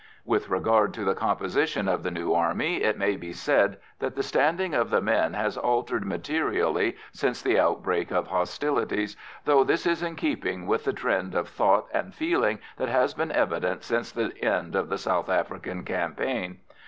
With regard to the composition of the new army it may be said that the standing of the men has altered materially since the outbreak of hostilities, though this is in keeping with the trend of thought and feeling that has been evident since the end of the South African campaign.